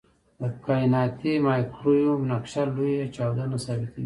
د کائناتي مایکروویو نقشه لوی چاودنه ثابتوي.